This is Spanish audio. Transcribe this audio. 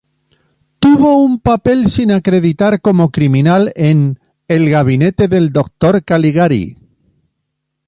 Tuvo un papel sin acreditar como criminal en "El gabinete del doctor Caligari".